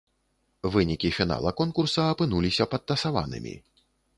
Вынікі фінала конкурса апынуліся падтасаванымі.